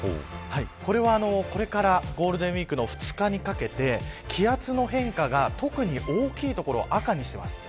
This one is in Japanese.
これは、これからゴールデンウイークの２日にかけて気圧の変化が特に大きい所を赤にしています。